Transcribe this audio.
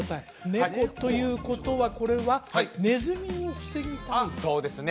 猫ということはこれはネズミを防ぎたいそうですね